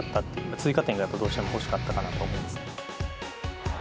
追加点がどうしても欲しかったなと思います。